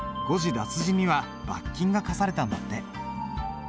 脱字には罰金が科されたんだって。